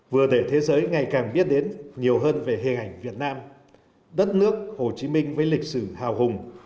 vừa để thế giới ngày càng biết đến nhiều hơn về hình ảnh việt nam đất nước hồ chí minh với lịch sử hào hùng